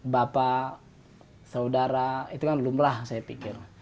bapak saudara itu kan lumlah saya pikir